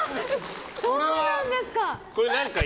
そうなんですか？